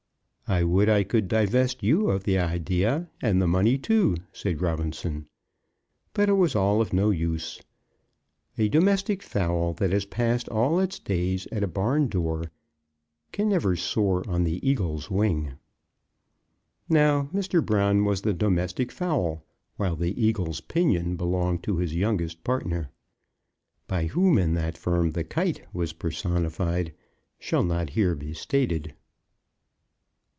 "I would I could divest you of the idea and the money too," said Robinson. But it was all of no use. A domestic fowl that has passed all its days at a barn door can never soar on the eagle's wing. Now Mr. Brown was the domestic fowl, while the eagle's pinion belonged to his youngest partner. By whom in that firm the kite was personified, shall not here be stated.